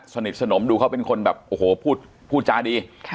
สนิทสนมดูเขาเป็นคนแบบโอ้โหพูดจาดี